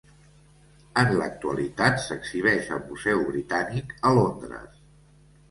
En l'actualitat s'exhibeix al Museu Britànic a Londres.